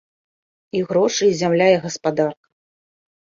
І грошы, і зямля, і гаспадарка.